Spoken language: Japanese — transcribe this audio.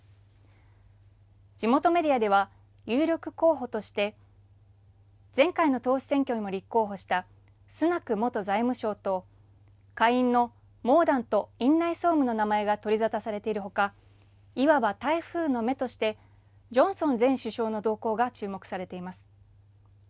地元メディアでは、有力候補として前回の党首選挙にも立候補したスナク元財務相と、下院のモーダント院内総務の名前が取りざたされているほか、いわば台風の目として、ジョンソン前首相の動向が注目されています。